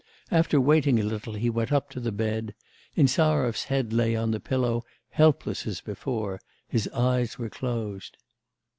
After waiting a little, he went up to the bed. Insarov's head lay on the pillow helpless as before; his eyes were closed.